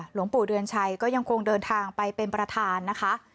หลวงปู่เดือนชัยก็ยังคงเดินทางไปเป็นประธานนะคะ